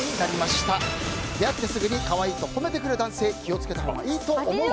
出会ってすぐに「かわいい」と褒めてくる男性気を付けたほうがいいと思うか。